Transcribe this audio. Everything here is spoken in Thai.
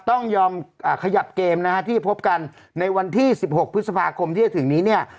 ต้องยอมขยับเกมนะฮะที่พบกันในวันที่๑๖พฤษภาคมที่จะถึงนี้เนี่ย